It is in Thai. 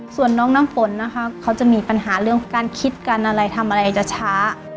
ส่วนน้องน้ำฝนนะคะเขาจะมีปัญหาเรื่องการคิดกันอะไรทำอะไรจะช้า